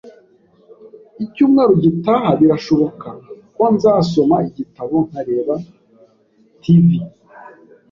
Icyumweru gitaha, birashoboka ko nzasoma igitabo nkareba TV.